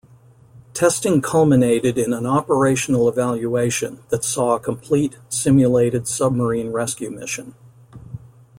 Testing culminated in an operational evaluation that saw a complete, simulated submarine rescue mission.